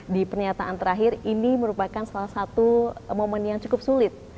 di pernyataan terakhir ini merupakan salah satu momen yang cukup sulit